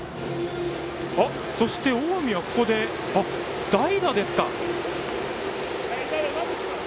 近江は、ここで代打ですか。